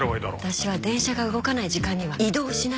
私は電車が動かない時間には移動しないの。